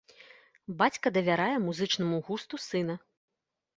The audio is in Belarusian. Бацька давярае музычнаму густу сына.